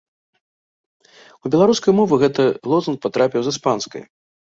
У беларускую мову гэты лозунг патрапіў з іспанскай.